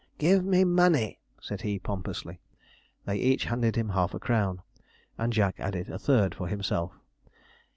'Give me money,' said he pompously. They each handed him half a crown; and Jack added a third for himself.